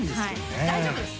はい大丈夫です